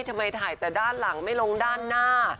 ทำไมถ่ายแต่ด้านหลังไม่ลงด้านหน้า